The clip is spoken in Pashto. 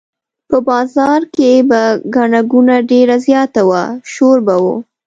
په بازار کې به ګڼه ګوڼه ډېره زیاته وه شور به و.